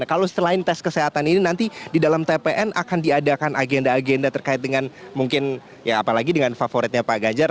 kalau selain tes kesehatan ini nanti di dalam tpn akan diadakan agenda agenda terkait dengan mungkin ya apalagi dengan favoritnya pak ganjar